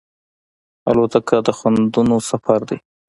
الوتکه د خوندونو سفر دی.